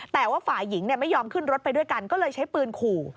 แต่ว่าฝ่ายหญิงไม่ยอมขึ้นรถไปด้วยกันก็เลยใช้ปืนขู่